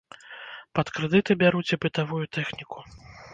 Пад крэдыты бяруць і бытавую тэхніку.